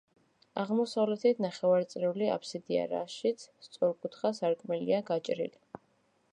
აღმოსავლეთით ნახევარწრიული აფსიდია, რაშიც სწორკუთხა სარკმელია გაჭრილი.